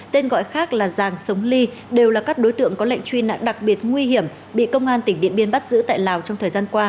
tên gọi khác là giàng sống ly đều là các đối tượng có lệnh truy nạn đặc biệt nguy hiểm bị công an tỉnh điện biên bắt giữ tại lào trong thời gian qua